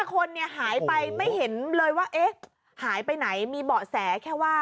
คนเนี่ยหายไปไม่เห็นเลยว่าเอ๊ะหายไปไหนมีเบาะแสแค่ว่า